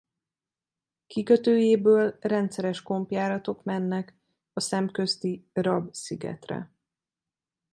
Kikötőjéből rendszeres kompjáratok mennek a szemközti Rab-szigetre.